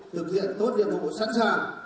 thực hiện tốt nhiệm vụ sẵn sàng